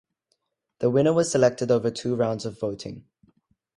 The winner was selected over two rounds of voting.